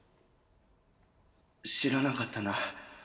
知らなかったな